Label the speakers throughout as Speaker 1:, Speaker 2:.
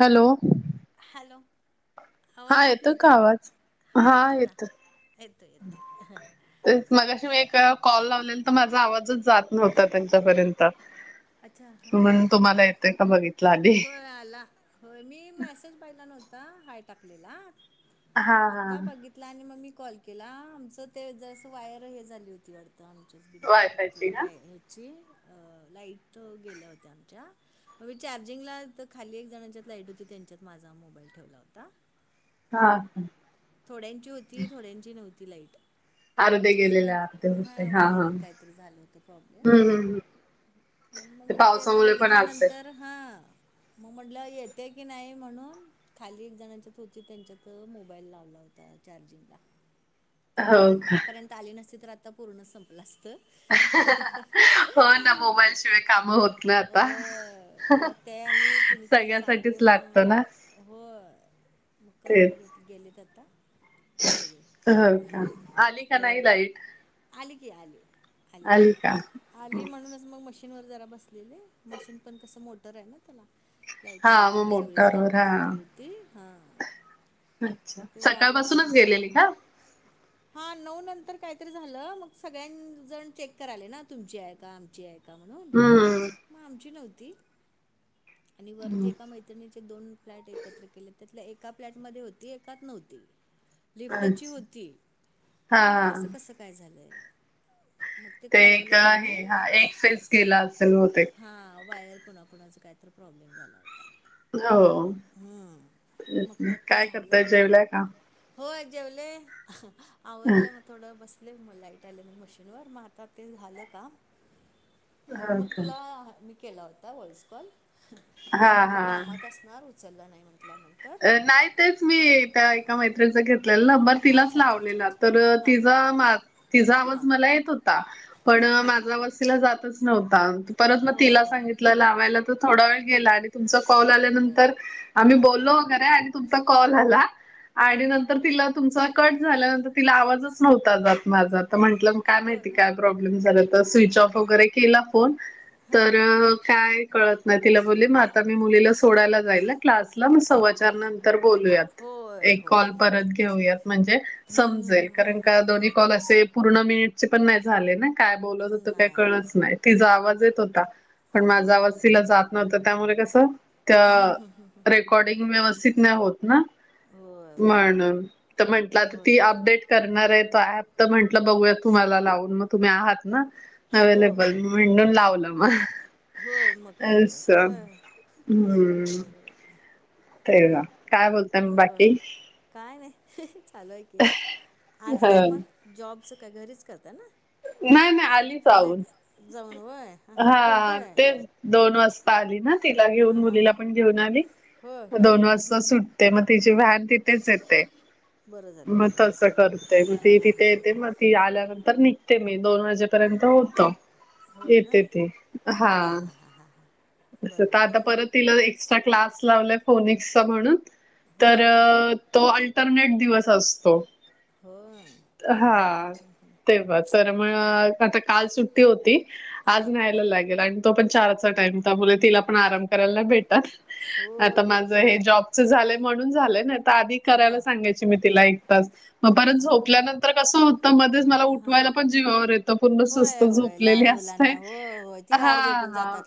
Speaker 1: Hello.
Speaker 2: Hello. आवाज येत नाही का हा येतोय ना येतोय येतोय.
Speaker 1: ते मगाशी मी एक कॉल लावलेला तर माझा आवाजच जात नव्हता त्यांच्यापर्यंत. तो पर्यँत तुम्हाला येतंय का बघितल.
Speaker 2: होय आला होय मी मेसेज पाहिला नव्हता हाय टाकलेला आता बघित ला आणि मग मी कॉल केला आमचं ते जसं वायर हे झाली होती वाटतं आम [unintelligible] अ लाईट गेल्या होत्या आमच्या मग विचार चार्जिंगला तर काही जणांच्या लाईट होती त्यांच्यात माझा मोबाईल ठेवला होता
Speaker 1: हा!
Speaker 2: थोड्यांची होती थोड्यांची नव्हती लाईट असं काहीतरी हा वायरिंग काहीतरी झालं होतं प्रॉब्लेम मग म मी ते आता बघितल्यानंतर हा म म्हटलं येते की नाही म्हणून खाली एक जणांच्यात होती त्यांच्यात मोबाईल लाव ला होता चार्जिंगला. कारण आतापर्यंत आली नसती तर आता पूर्ण संपलं असतं हो! मग ते आणि कुणी कुणी सांगून हो. मग करून घेत गेलेत आता सगळे.
Speaker 1: हं का आली का नाही लाईट?
Speaker 2: आली की आली.
Speaker 1: आली का?
Speaker 2: आली म्हणूनच मग मशीनवर जरा बसलेले मशीन पण कसं मोटर आहे ना त्याला लाईट नव्हती मग सगळीच काम तटली होती हा
Speaker 1: अच्छा, सकाळपसूनच गेल्याली का?
Speaker 2: हा नऊ नंतर काहीतरी झालं मग सगळ्यांजण चेक कराले ना तुमची आहे का आमची आहे का म्हणून मग आमची नव्हती आणि वरती ऐका मै त्यांनीचे दोन फ्लॅट एकत्र केले त्यातल्या एका फ्लॅटमध्ये होती एकात नव्हती लिफ्टची होती मग म्हटलं असं कसं काय झालंय मग ते कळवलं कोणी हा वायर कोणाक कोणाचा काय तर प्रॉब्लेम झाला होता.
Speaker 1: हो, काय करताय जेवलाय का?
Speaker 2: होय जेवले आवरलं म थोडं बसलं मग लाईट आले मग मशीनवर मग आता ते झालं काम म्हणून मग तुला मी केला होता व्हॉइस कॉल म म्हटलं कामात अस णार उचलला नाही म्हण त्यानंतर
Speaker 1: अ नाही तेच मी त्या एका मैत्रीच घेतलेला नंबर तिलाच लावलेला तर, तिझा मा तिझा मग मला येत होता. पण माझा वशिला जातच नव्हता. परत म तिला सांगितलं लावायला तर थोडा वेळ गेला आणि तुमचा कॉल आल्यानंतर आम्ही बोललो वगैरे आणि तुमचा कॉल आला आणि नंतर तिला तुमचा कट झालं तिला आवाजच नव्हता जात माझा तर म्हटलं काय माहिती का प्रॉब्लेम तर झाला तर स्विच ऑफ वगैरे केला फोन तर काय कळत नाही तिला बोली मग आता मी मुलीला सोडायला जाईल क्लासला म त्यानंतर बोलूया एक कॉल परत घेऊया म्हणजे समजेल. कारण का दोन्ही कॉल असे पूर्ण मिनिटचे पण नाही झाले नाय का बोलत होतो काय कळलंच नाही. तिचा आवाज येत होता पण माझा आवाज तिला जात नव्हता त्यामुळे कसं त्या रेकॉर्डिंग व्यवस्थित नाही होत ना म्हणून तर म्हंटलं तर ती अपडेट करणार आहे तो ऍप तर म्हटलं बघूया तुम्हाला लावून मग तुम्ही आहात ना. अवे्लेबल म्हणून लावलं मग
Speaker 2: होय मग काय तर होय बरोबर आहे.
Speaker 1: ते काय बोलताय म बाकी
Speaker 2: काय नाही चालू आहे की, आज काय मग जॉबचं काय घरीच करत ना नाही जाऊन वय हा हा कोणता आहे जॉब
Speaker 1: दोन वाजता आली ना तिला घेऊन मुलीला पण घेऊन आली दोन वाजता सुट ते मग तिची व्हॅन तिथेच येते मग तस करतय मग ती तिथे येते मग ती आल्यानंतर मी म दोन वाजेपर्यंत होतो येते ते हा
Speaker 2: हां हां हां..
Speaker 1: तर आता परत तिला एक्स्ट्रा क्लास लावलाय फोनिक्सचा म्हणून तर तो अल्टरनेट दिवस असतो.
Speaker 2: हो हम् हम्म हम् ह हम..
Speaker 1: तर मग आता काल सुट्टी होती, आज न्यायला लागेल आणि तो पण चारचा टाईम. तर बोलले तिला पण आराम करायला नाय भेटत आता माझ हे जॉब झालयं म्हणून झालं आधी करायला सांगायची मी तिला एकतास मग परत झोपल्यानंतर कसं होतं मध्येच मला उठवायला पण जीवावर येतं पूर्ण सुवस्त झोपलेली असते. हा हा..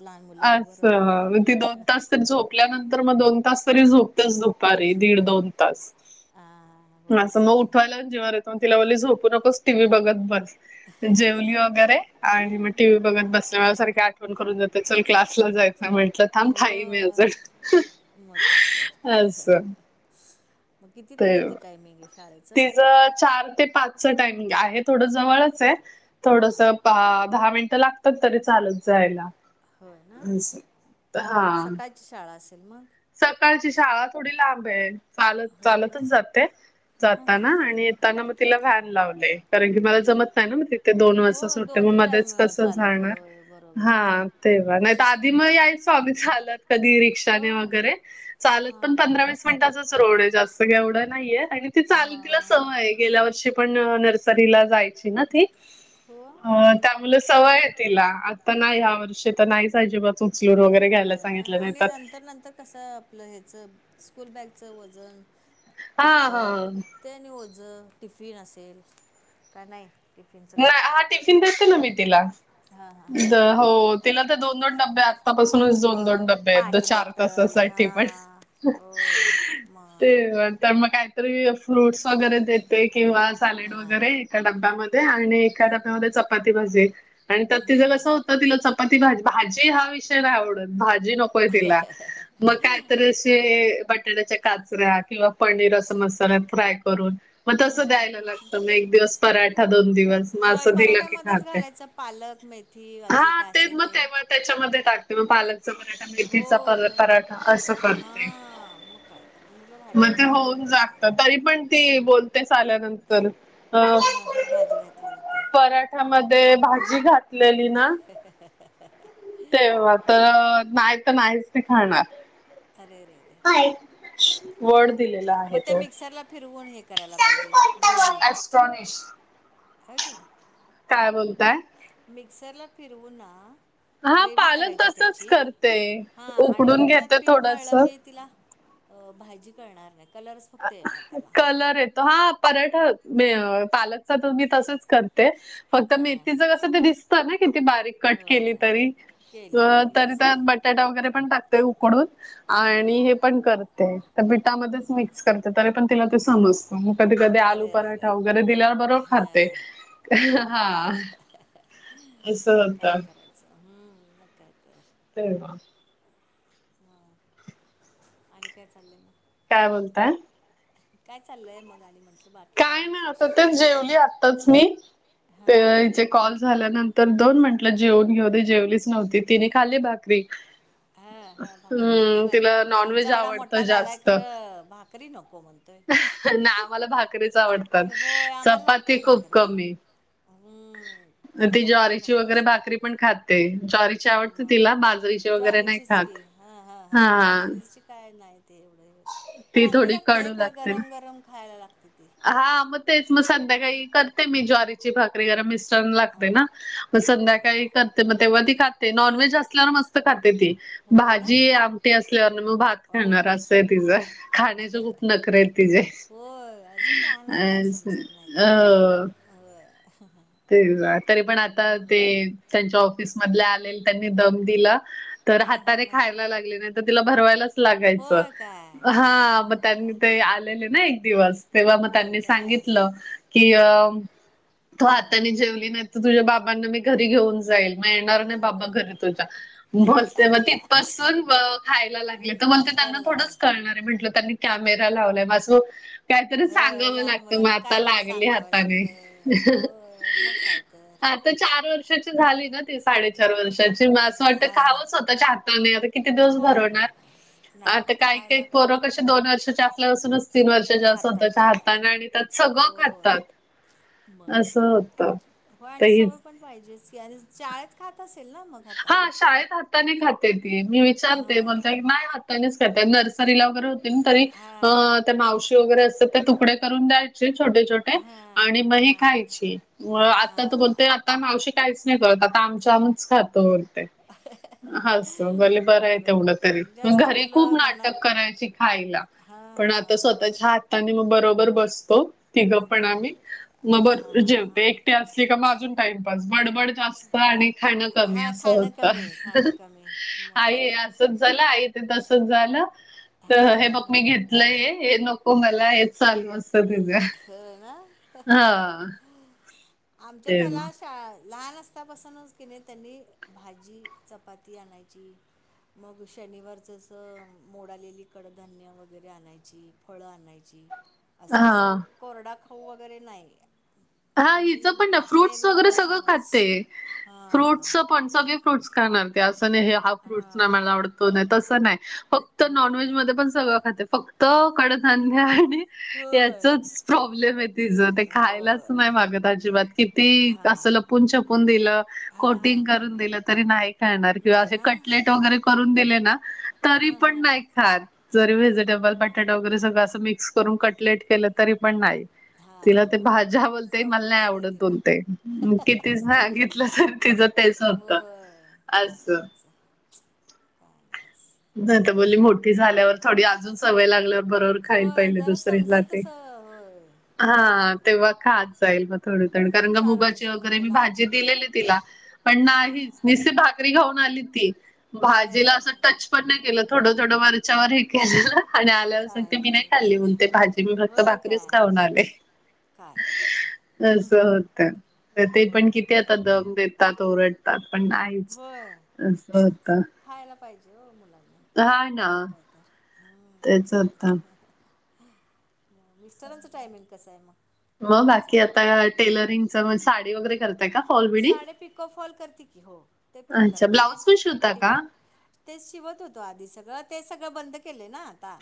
Speaker 1: अस मग ती दोन तास झोपल्यानंतर मग दोन तास तरी झोपतेच दुपारी दीड दोन तास असं मग उठवायलाच जीवावर येतं.. मग तिला बोली झोपू नकोस टी व्ही बघत बस जेवली वगैरे आणि मग टी व्ही बघत बसल्या मला सारखी आठवण करून जाते चल क्लासला जायचं म्हटलं थांब टाईम आहे असचं
Speaker 2: मग किती ते किती टाइमिंग आहे?
Speaker 1: तिचं चार ते पाचचा टायमिंग आहे थोडं जवळच आहे. थोडस पा दहा मिनिटं लागतात तरी चालत जायला. अस हा..
Speaker 2: म शाळा असेल मग
Speaker 1: सकाळची शाळा थोडी लांब आहे चालत चालतच जाते जाताना आणि येत येताना मग तिला व्हॅन लावले कारण की मला जमत नाही ना मग ते दोन वाजता सुटते मग मध्येच कस जाणार हा तेव्हा नाही तर आधी मग यायचो आम्ही चालत कधी रिक्षाने वैगरे वैगेरे, चालत पण पंधरा वीस मिनिटांचा च रोड आहे जास्त काय एवढ नाहीये आणि ती चालल तिला सवय आहे गेल्या वर्षी पण नर्सरीला जायची ना ती अ त्यामूळ सवय आहे तिला आता नाही ह्या वर्षी तर नाही अजिबात [inaudible] वगैरे घ्यायला सांगितले नाहीत तर
Speaker 2: कस आपलं ह्याच स्कूल बॅगचं वजन पुस्तक ते आणि ओजं टिफिन असेल, का नाही?
Speaker 1: नाही हा टिफिन देते ना मी तिला हो तिला तर दोन दोन डब्बे आतापासूनच दोन दोन डबे आहेत चार तासासाठी पण ते तर मग काहीतरी फ्रूट्स वगैरे देते किंवा सॅलेड वगैरे त्या डब्यामध्ये आणि एखाद आपल्यामध्ये, चपाती, भाजी. आणि तिचं कस होत. तर तिला चपाती भाजी हा विषय नाही आवडत भाजी नको. काय तिला बट अठराशे. टण्याच्या काचऱ्या, किंवा पनीर अस मसाल्या फ्राय करून. मग तसं द्यायला लागतं, मग एक दिवस पराठा दोन दिवस. असं दिलं की खाते, हा तेच मग त्याच्यामध्ये टाकते मग, पालकचा पराठा मेथीचा पराठा. असं करते
Speaker 2: काय तर मुलं भाज्या, खायला बघत नाही.
Speaker 1: तरी पण ती बोलतेच आल्यानंतर अ.
Speaker 2: का? भाजी घातली होती
Speaker 1: पराठ्यामध्ये भाजी घातलेली ना?
Speaker 2: [unintelligible]
Speaker 1: तवा तर नाही तर नाहीच ठिकाण.
Speaker 2: अरेरेरेरे काय? काय मग ते मिक्सरला फिरवून हे. करायला पाहिजे, गिरवी होय नाही.
Speaker 1: काय बोलताय?
Speaker 2: मिक्सरला फिरवून ना. ग्रेव्ही करायची त्याची हां, आणि मग त्यात पीठ मळलं की तिला. अ भाजी करणार नाही कलर्.
Speaker 1: कलर येतो, हा पराठ पालकचा तुम्ही तसच करता. फक्त मेथीच कसं ते दिसत ना किती बारीक. कट केली तरी तरी त्यात बटाटा वगैरे पण टाकतय उकडून. आणि हे पण करते, तर बिठामध्येच मिक्स करते तरी पण तिला ते समजते. मग कधी कधी आलू पराठा वगैरे दिल्यावर बर खाते हा. असं होत.
Speaker 2: हम्म मग काय तर.
Speaker 1: तेव
Speaker 2: हा. आणि काय चाललंय मग.?
Speaker 1: काय बोलता?
Speaker 2: काय चालंय मग आणि म्हंटलं बाकी.
Speaker 1: काय नाय आता तेच जेवली आताच मी. कॉल झाल्यानंतर दोन म्हंटल जेवून घेऊ दे, जेवलीच नव्हती तिने खाल्ली भाकरी.
Speaker 2: हा हां भाकरी खाते बा, आहे आमचा एवढा मोठा झालाय खरं भाकरी नको म्हणतोय.
Speaker 1: आम्हाला भाकरीच आवडतात, चपाती खूप कमी. ती ज्वारीची वगैरे भाकरी पण खाते.
Speaker 2: मग ज्वारीचीच की हा-हा-हा बाजरीची. काय नाय ते एवढं. चांगली लागते, खरं गरम-गरम खायला लागते ती.
Speaker 1: हा मग तेच, मग सध्याकाळी करते मी ज्वारीची भाकरी जरा. छान लागते ना, मग संध्याकाळी करते, मग तेव्हा ती खाते. नॉनव्हेज असल्या ना.. एम खाते ती भाजी, आमटी असल्यावर मग भात खाणार असं आहे तिचं. खाण्याचे खुप नखरे आहेत तिचे.
Speaker 2: होय, अजून लहान आहे काय समजत नाही खरं. होय.
Speaker 1: तेच ना तरी पण आता ते त्यांच्या ऑफिस मधले आलेल त्यांनी दम दिला. तर हाताने खायला लागले, नाही तर तिला भरवायलाच लागायचं. हा. मग त्या निमित्त ते आलेले ना एक दिवस तेव्हा मग त्यांनी सांगितलं. कि अम हातानी जेवली नाही तर तुझ्या बाबांना मी घरी घेऊन जाईल, मग येणार नाही बाबा घरी तुझ्या. बोलते मग तिथपासून खायला लागले, तर बोलत्या ते त्यांना थोडंच कळणार हे म्हंटलं त्यांनी कॅमेरा लावलाय, म असं काहीतरी सांगावं लागतं, मग आता लागली हाताने. आता चार वर्षाची झाली ना साडेचार वर्षाची म असं वाटतं खावं स्वतःच्या हाताने आता किती दिवस भरवणार. आता काय काही कशी पोर कशी दोन वर्षांची असल्यापासूनच तीन वर्ष तेच्या स्वतःच्या हाताने आणि त्यात सगळं खातात. असं
Speaker 2: होय आणि सवय पण पाहिजेच की आणि शाळेत खात असेल ना मग?
Speaker 1: हा शाळेत हाताने खाते ती, मी विचारते म्हणते नाही हात नेच खाते. नर्सरीला वगैरे होते ना तरी त्या मावशी वगैरे असत्या ते तुकडे करून द्यायाचे. छोटे-छोटे आणि मग ही खायची. आता तर बोलते, आता मावशी काहीच नाही करत आता आमच्या आमच खातो बोलते. असं, भले बरं आहे, तेवढं तरी. मग घरी खूप नाटक करायची खायला. पण आता स्वतःच्या हाताने मग बरोबर बसतो, तिघं पण आम्ही. मग भरपूर जेवते. एकटी असली का मग अजून टाइमपास बडबड जास्त आणि खाण कमी असं होत. आई असं चच झालं, आई इथं तसच झालं, तर हे बघ मी घेतलं हे. हे नको मला हे चालू असतं तीच.
Speaker 2: खर ना.
Speaker 1: हं.
Speaker 2: आमच्यात ह्याला शाळा लहान असता ताना -पासूनच कणी त्यांनी भाजी, चपाती आणायची. मग शनिवारच असं मोड आलेली कड-धान्य वगैरे आणायची. फळं आणायची, असं असं कोरडा खाऊ वगैरे नाही.
Speaker 1: हा हिचं पण ना फ्रुट्स वगैरे सगळं खाते, फ्रुट्सच पण सगळे फ्रूट्स खाणार ते असं नाही हे हा फ्रूट्स नाही मला आवडत, तो नाही, तसं नाही. फक्त नॉनव्हेज मध्ये पण सगळं खाते. फक्त फक्त कडधान्य आणि याचंच प्रॉब्लेम आहे तिचं ते खायला मागत अजिबात, किती असं लपून-छपून दिलं, कोटिंग करून दिलं तरी नाही खाणार किंवा ते कटलेट वगैरे करून दिले ना. तरी पण नाही खात, जरी व्हेजिटेबल बटाटा वगैरे सगळं असं मिक्स करुन कटलेट केल तरी पण नाही, तिला ते भाज्या मला नाही आवडत दोन ते, किती सगितलं, तर तिचं तेच होतं.
Speaker 2: काय करायचं.
Speaker 1: नाही तर बोली मोठी झाल्यावर थोडी अजून सवय लागल्यावर बरोबर खाईल पाहिले, दुसऱ्याला ते, हा तेव्हा खात जाईल म. थोड, कारण का मुगाची वगैरे, मी भाजी दिलेली तिला पण नाही. निस्ती भात घेऊन आली ती, भाजीला असं टच केल थोडं -थोडं वरच्यावर हे केलेलं आणि आल्यापासून ती मी नाही खाल्ली, भाजी मी ते भाकरीच खाऊन आले. अस होत. तर ते पण किती, आता दम देतात, ओरडतात, पण नाय.
Speaker 2: व्हय, खायला पाहिजे हो मुलांनी. न काय तर, हम्म. मिस्टरांचं टायमिंग कसं आहे मग?
Speaker 1: मग, बाकी आता टेलरिंगजे साडी वगैरे करताय का? फॉल
Speaker 2: साडे पिकोफॉल करते की, हो ते पण करते. पिटतील ते शिवत होतो आधी सगळं, ते सगळं बंद केले. ना आता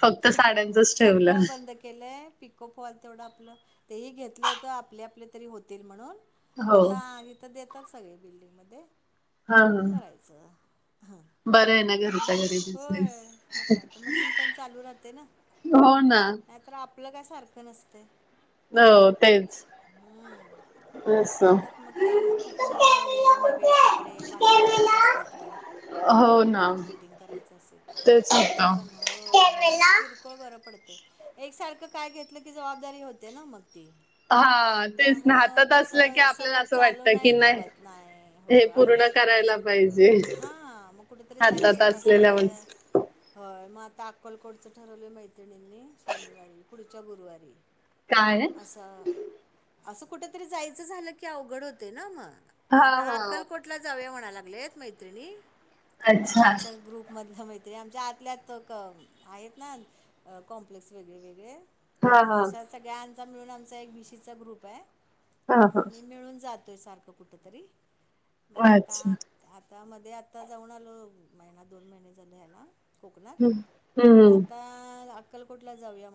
Speaker 2: सगळं बंद के केलंय. पिको फॉल तेवढं, आपलं तेही घेतलं होत. आपले, आपले तरी होतील, म्हणून मग आता इथ देतात सगळे बिल्डिंग मध्ये म्हणून करायचं. हा. होय, मग काय तर मशीन पण चालू राहते ना.
Speaker 1: हो. ना.
Speaker 2: नाही, तर आपलं काय सारखं नसतं.
Speaker 1: हो, तेच अस.
Speaker 2: त्यामुळं फिटिंगला वगैरे, नवे कपडे, बाही लावायचे असली तर, काय फिटिंग करायचं असेल, तर ते पण होय होय किर कोळ बरं पडते, एकसारखं काय घेतलं की जबाबदारी होते ना मग ती त्यामुळं तस सलग चालू नाही ठेवत नाही, हो अडकून पडल्यासारखं, हा मग कुठेतरी जायचं असतंय होय, मग आता अक्कलकोडचं ठरवलं आहे. मैत्रिणींनी, शनिवारी पुढच्या गुरुवारी. असं, असं कुठेतरी जायचं झालं, की अवघड होते ना मग आता अक्कलकोटला जावू म्हणा लागलेत मैत्रिणी, आमचा ग्रुप मधलं मैत्री आमच्या आतल्यात आहेत ना कॉम्प्लेक्स वेगळे वेगळे मग अशा सगळ्यांचा मिळून, आमचा एक विीसीचा ग्रुप आहे. मग आम्ही मिळून जातोय सारखं कुठं तरी, मग आता आता मध्ये, आता जाऊन आलो महिना दोन महिने झाल ह्याला कोकणात, आता अक्कलकोटला जाऊया.